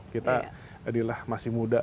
kita adilah masih muda